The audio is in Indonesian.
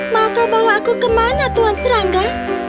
maka bawa aku ke mana tuan serangga